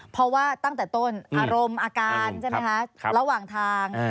เพราะว่าตั้งแต่ต้นอารมณ์อาการใช่ไหมคะระหว่างทาง